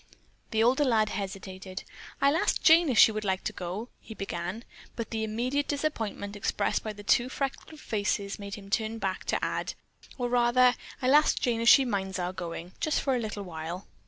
The older lad hesitated. "I'll ask Jane if she would like to go," he began, but the immediate disappointment expressed by the two freckled faces made him turn back to add, "Or, rather, I'll ask Jane if she minds our going, just for a little while."